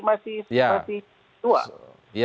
masih masih tua